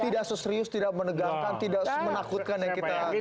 tidak seserius tidak menegangkan tidak menakutkan yang kita kira gitu